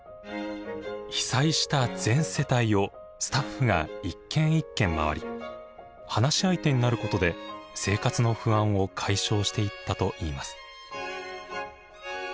被災した全世帯をスタッフが一軒一軒回り話し相手になることで生活の不安を解消していったといいます。